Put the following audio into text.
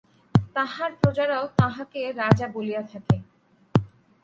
তাঁহার প্রজারাও তাঁহাকে রাজা বলিয়া থাকে।